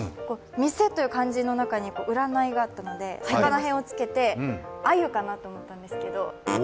「店」という漢字の中に占があったので、魚へんをつけて鮎かなと思ったんですけど。